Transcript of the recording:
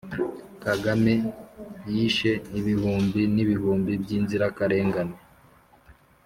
kagame yishe ibihumbi n'ibihumbi by'inzirakarengane